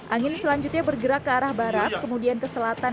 angin selanjutnya bergerak ke arah barat kemudian ke selatan